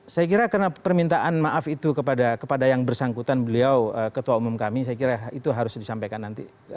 saya kira karena permintaan maaf itu kepada yang bersangkutan beliau ketua umum kami saya kira itu harus disampaikan nanti